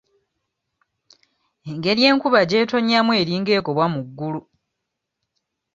Engeri enkuba gy'ettonyamu eringa egobwa mu ggulu.